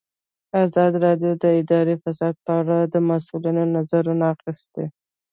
ازادي راډیو د اداري فساد په اړه د مسؤلینو نظرونه اخیستي.